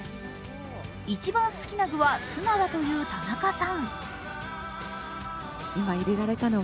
一番好きな具はツナだという田中さん。